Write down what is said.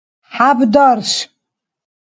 хӀябдарш